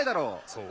そう？